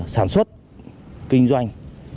sản xuất kinh doanh